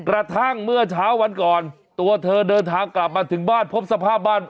กระทั่งเมื่อเช้าวันก่อนตัวเธอเดินทางกลับมาถึงบ้านพบสภาพบ้าน